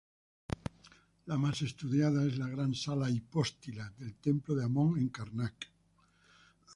La más estudiada es la gran sala hipóstila del templo de Amón en Karnak.